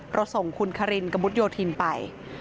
เราส่งคุณคารินกโยธินไป